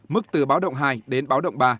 mức từ báo động hai đến báo động ba